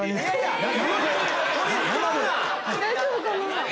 大丈夫かな？